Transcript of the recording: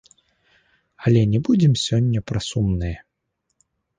Але не будзем сёння пра сумнае.